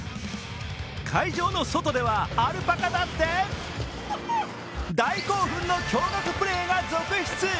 会場の外ではアルパカだって大興奮の驚がくプレーが続出。